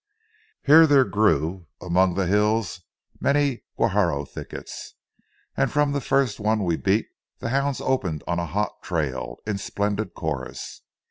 Here there grew among the hills many Guajio thickets, and from the first one we beat, the hounds opened on a hot trail in splendid chorus.